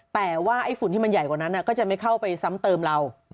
แต่ว่าไอ้ฝุ่นที่มันใหญ่กว่านั้นก็จะไม่เข้าไปซ้ำเติมเรา